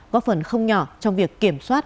góp phần không nhỏ trong việc kiểm soát